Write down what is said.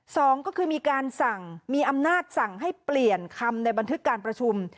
สองก็คือมีการสั่งมีอำนาจสั่งให้เปลี่ยนคำในบันทึกการประชุม